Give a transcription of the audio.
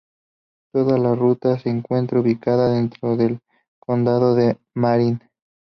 Toda la ruta se encuentra ubicada dentro del condado de Marin.